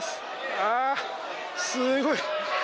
ああ、すごい。